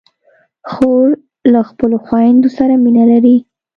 خور له خپلو خویندو سره مینه لري.